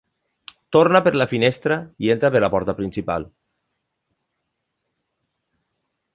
Torna per la finestra i entra per la porta principal.